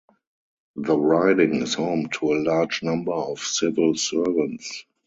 The riding is home to a large number of civil servants.